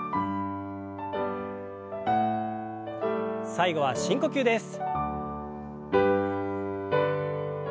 最後は深呼吸です。